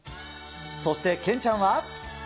そしてケンちゃんは。